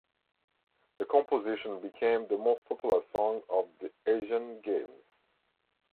The composition became the most popular song of the Asian Games.